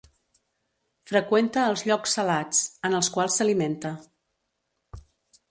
Freqüenta els llocs salats, en els quals s'alimenta.